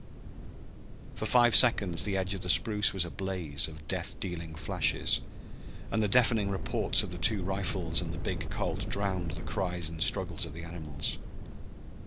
For five seconds the edge of the spruce was a blaze of death dealing flashes, and the deafening reports of the two rifles and the big Colt drowned the cries and struggles of the animals.